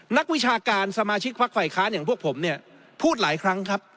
นักวิชาการสมาชิกพักฝ่ายค้านอย่างพวกผมเนี่ยพูดหลายครั้งครับ